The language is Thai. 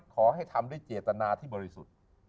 ขอให้ทำด้วยเจตนาที่บริสุทธิ์